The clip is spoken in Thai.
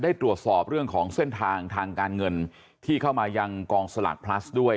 ได้ตรวจสอบเรื่องของเส้นทางทางการเงินที่เข้ามายังกองสลากพลัสด้วย